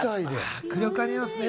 迫力ありますね。